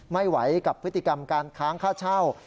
ไม่ไหวกับพฤติกรรมการค้างค่าเช่า